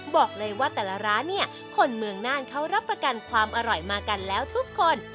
บอกเลยว่าแต่ละร้านเนี่ยคนเมืองน่านเขารับประกันความอร่อยมากันแล้วทุกคน